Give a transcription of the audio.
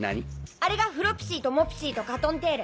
あれがフロプシーとモプシーとカトンテール。